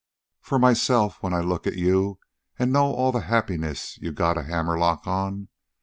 "For myself when I look at you an' know all the happiness you got a hammerlock on.